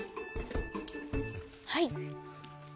はい！